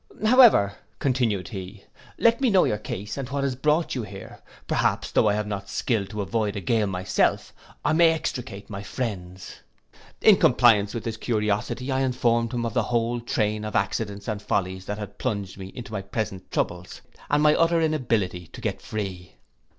'However,' continued he, 'let me know your case, and what has brought you here; perhaps though I have not skill to avoid a gaol myself, I may extricate my friends.' In compliance with his curiosity, I informed him of the whole train of accidents and follies that had plunged me into my present troubles, and my utter inability to get free.